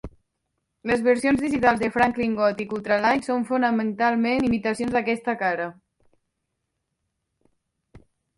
Les versions digitals de "Franklin Gothic Ultra-Light" són fonamentalment imitacions d'aquesta cara.